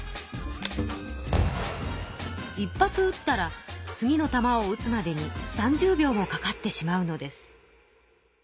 一発うったら次のたまをうつまでに３０秒もかかってしまうのです。